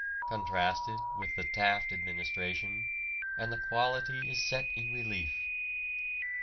Contrast it with the Taft administration, and the quality is set in relief.